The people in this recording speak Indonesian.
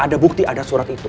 ada bukti ada surat itu